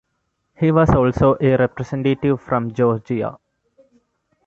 He was also a Representative from Georgia.